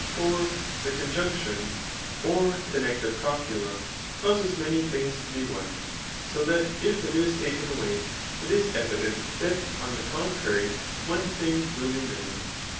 For the conjunction [or con nective copula] causes many things to be one ; so that if it is taken away, it is evident that on the contrary one thing will be many.